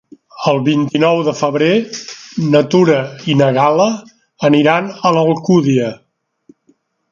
El vint-i-nou de febrer na Tura i na Gal·la aniran a l'Alcúdia.